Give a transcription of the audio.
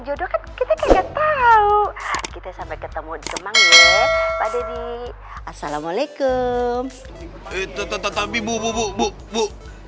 jodoh kita kagak tahu kita sampai ketemu jemang ya pak dedi assalamualaikum itu tetapi bu bu bu bu